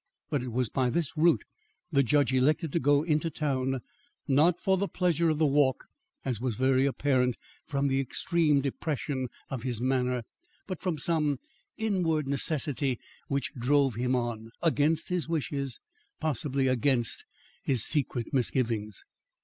But it was by this route the judge elected to go into town; not for the pleasure of the walk, as was very apparent from the extreme depression of his manner, but from some inward necessity which drove him on, against his wishes, possibly against his secret misgivings.